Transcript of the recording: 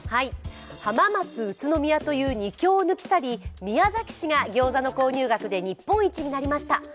浜松、宇都宮という２強を抜き去り、宮崎市がギョーザの購入額で日本一になりました。